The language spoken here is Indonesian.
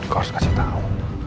gue harus kasih tau